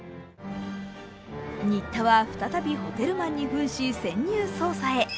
新田は再びホテルマンにふんし、潜入捜査へ。